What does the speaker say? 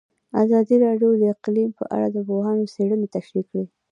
ازادي راډیو د اقلیم په اړه د پوهانو څېړنې تشریح کړې.